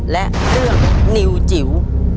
และเรื่องนิวจิ๋ว